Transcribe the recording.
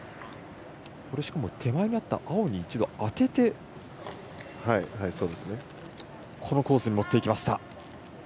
しかも、手前にあった青に一度当ててこのコースに持っていきました。